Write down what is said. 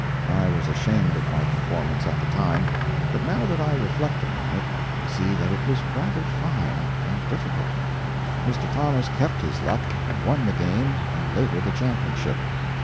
I was ashamed of my performance at the time, but now that I reflect upon it I see that it was rather fine and difficult. Mr. Thomas kept his luck, and won the game, and later the championship.